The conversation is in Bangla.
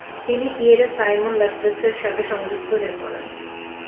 তিনি পিয়েরে-সাইমন ল্যাপলেস-এর সাথে যুক্ত হয়ে পড়েন।